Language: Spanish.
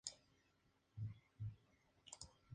Por sus ventas el sencillo ganó disco de oro en Alemania.